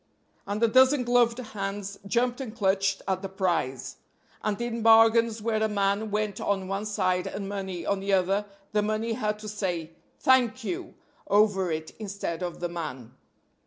and a dozen gloved hands jumped and clutched at the prize. And in bargains where a man went on one side and money on the other, the money had to say, "Thank you," over it instead of the man.